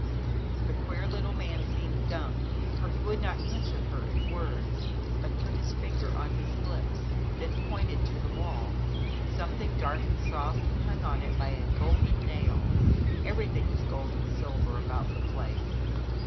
The queer little man seemed dumb, for he would not answer her in words, but put his finger on his lips, then pointed to the wall. Something dark and soft hung on it by a golden nail 8 114 ZAUBERLINDA, THE WISE WITCH. everything was gold and silver about this place.